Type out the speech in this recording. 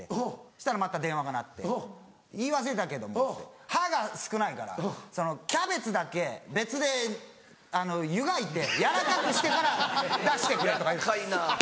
そしたらまた電話が鳴って「言い忘れたけども歯が少ないからキャベツだけ別で湯がいて軟らかくしてから出してくれ」とか言うんです。